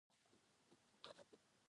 مسکن دې لندن شو.